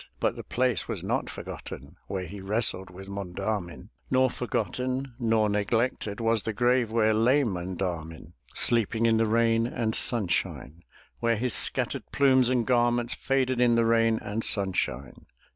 But the place was not forgotten Where he wrestled with Monda'min; Nor forgotten nor neglected Was the grave where lay Monda'min, Sleeping in the rain and sunshine; Where his scattered plumes and garments Faded in the rain and sunshine.